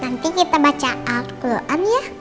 nanti kita baca alquran ya